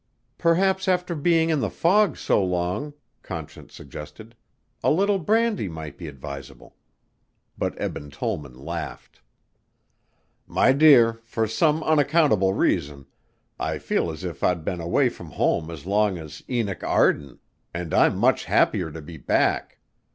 "Perhaps after being in the fog so long," Conscience suggested, "a little brandy might be advisable," but Eben Tollman laughed. "My dear, for some unaccountable reason, I feel as if I'd been away from home as long as Enoch Arden and I'm much happier to be back.